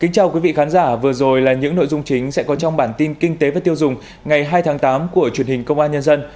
chào mừng quý vị đến với bản tin kinh tế và tiêu dùng ngày hai tháng tám của truyền hình công an nhân dân